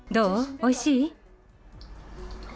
おいしい？